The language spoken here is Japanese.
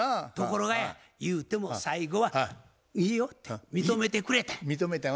ところがや言うても最後は「いいよ」って認めてくれた。